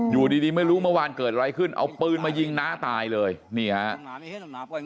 อยู่ดีไม่รู้เมื่อวานเกิดอะไรขึ้นเอาปืนมายิงน้าตายเลยนี่ครับ